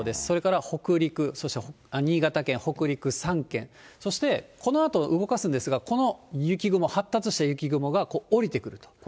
それから北陸、そして新潟県、北陸３県、そしてこのあと動かすんですが、この雪雲、発達した雪雲が下りてくると。